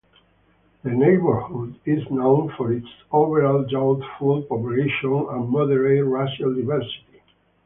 The neighborhood is known for its overall youthful population and moderate racial diversity.